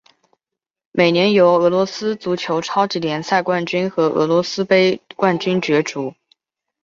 每年由俄罗斯足球超级联赛冠军和俄罗斯杯冠军角逐。